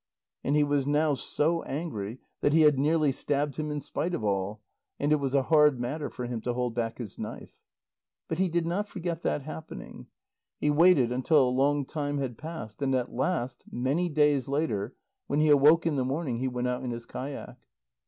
And he was now so angry that he had nearly stabbed him in spite of all, and it was a hard matter for him to hold back his knife. But he did not forget that happening. He waited until a long time had passed, and at last, many days later, when he awoke in the morning, he went out in his kayak.